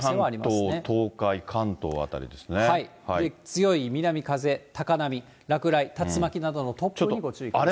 紀伊半島、強い南風、高波、落雷、竜巻などの突風にご注意ください。